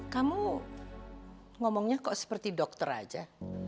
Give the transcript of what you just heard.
kamu ngomongnya kok seperti dokter aja